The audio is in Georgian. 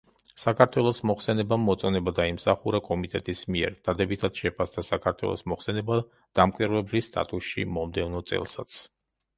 საქართველოს მოხსენებამ მოწონება დაიმსახურა კომიტეტის მიერ; დადებითად შეფასდა საქართველოს მოხსენება დამკვირვებლის სტატუსში მომდევნო წელსაც.